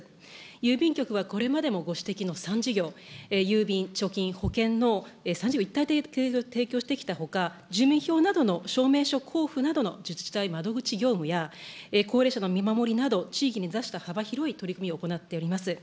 郵便局はこれまでもご指摘の３事業、郵便、貯金、保険の３事業一体で提供してきたほか、住民票などの証明書交付などの自治体窓口業務や高齢者の見守りなど、地域に根ざした幅広い取り組みを行っております。